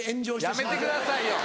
やめてくださいよ。